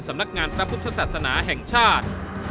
สำนักงานพระพุทธศาสนาแห่งชาติ